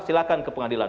silahkan ke pengadilan